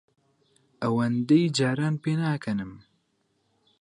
ئەوەندەی جاران پێناکەنم.